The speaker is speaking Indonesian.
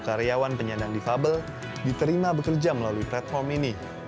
karyawan penyandang difabel diterima bekerja melalui platform ini